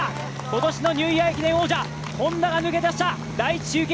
今年のニューイヤー駅伝王者、Ｈｏｎｄａが抜け出した。